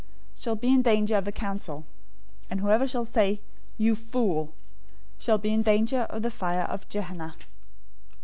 shall be in danger of the council; and whoever shall say, 'You fool!' shall be in danger of the fire of Gehenna.